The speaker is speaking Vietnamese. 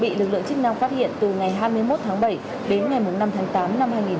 bị lực lượng chức năng phát hiện từ ngày hai mươi một tháng bảy đến ngày năm tháng tám năm hai nghìn một mươi chín